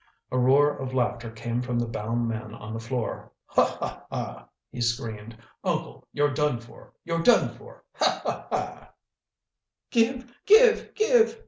A roar of laughter came from the bound man on the floor. "Ha! ha! ha!" he screamed. "Uncle, you're done for! you're done for! Ha! ha! ha!" "Give! give! give!"